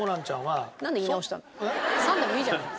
「さん」でもいいじゃない。